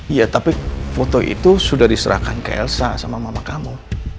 iya tapi foto itu sudah diserahkan ke elsa sama mama kamu